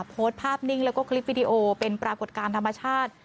โพสต์ภาพนิ่งแล้วก็คลิปวิดีโอเป็นปรากฏการณ์ธรรมชาติ